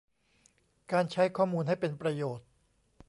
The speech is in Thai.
การใช้ข้อมูลให้เป็นประโยชน์